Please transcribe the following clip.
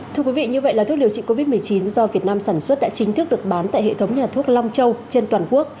thưa quý vị như vậy là thuốc điều trị covid một mươi chín do việt nam sản xuất đã chính thức được bán tại hệ thống nhà thuốc long châu trên toàn quốc